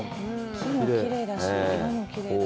木もきれいだし、色もきれいだし。